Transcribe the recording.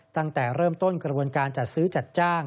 ตั้งแต่เริ่มต้นกระบวนการจัดซื้อจัดจ้าง